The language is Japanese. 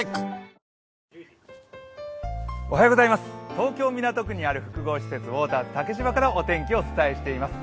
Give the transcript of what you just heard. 東京・港区にある複合施設、ウォーターズ竹芝からお天気、お伝えしています。